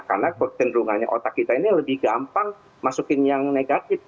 karena kenderungannya otak kita ini lebih gampang masukin yang negatif